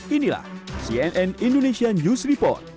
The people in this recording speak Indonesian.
inilah cnn indonesia news report